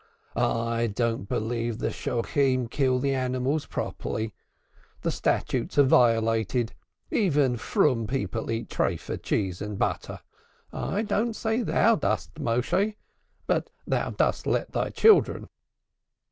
I don't believe the Shochetim kill the animals properly; the statutes are violated; even pious people eat tripha cheese and butter. I don't say thou dost, Méshe, but thou lettest thy children."